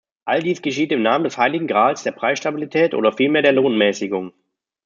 All dies geschieht im Namen des Heiligen Grals der Preisstabilität oder vielmehr der Lohnmäßigung.